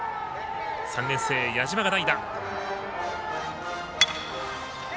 ３年生、矢島が代打。